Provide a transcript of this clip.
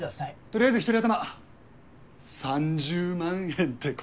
とりあえず一人頭３０万円ってことで。